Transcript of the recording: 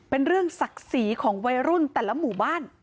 เป็นเรื่องศักดิ์ศรีของวัยรุ่นแต่ละหมู่บ้าน